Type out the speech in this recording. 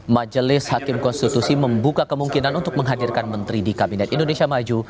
majelis hakim konstitusi membuka kemungkinan untuk menghadirkan menteri di kabinet indonesia maju